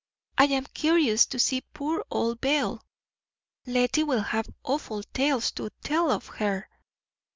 "I am curious to see poor old Belle. Lettie will have awful tales to tell of her.